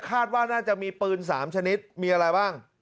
คาดว่าน่าจะมีปืน๓ชนิดมีอะไรบ้าง